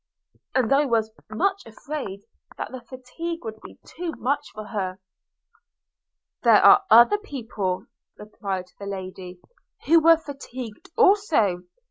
I was much afraid that the fatigue would be too much for her.' 'There are other people,' replied the lady, 'who were fatigued also.